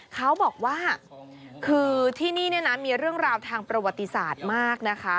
เขาบอกว่าคือที่นี่เนี่ยนะมีเรื่องราวทางประวัติศาสตร์มากนะคะ